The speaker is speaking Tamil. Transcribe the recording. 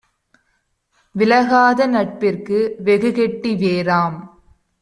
விலகாத நட்பிற்கு வெகுகெட்டி வேராம்;